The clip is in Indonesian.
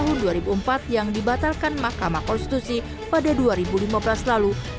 pelaku usaha keberatan karena sumber air harus dipastikan steril dan tidak tercemar apapun